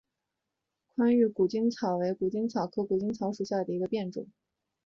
宽玉谷精草为谷精草科谷精草属下的一个变种。